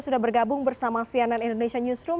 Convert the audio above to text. sudah bergabung bersama cnn indonesia newsroom